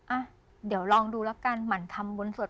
อ่ะเดี๋ยวลองดูแล้วกันหมั่นทำบุญสวด